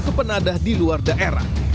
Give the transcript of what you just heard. dan kepenadah di luar daerah